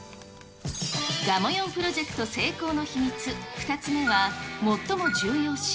がもよんプロジェクト成功の秘密、２つ目は、最も重要視！